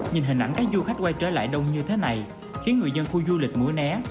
nhìn hình ảnh các du khách quay trở lại đông như thế này khiến người dân khu du lịch mũi né